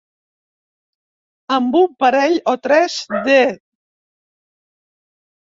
Amb un parell o tres de.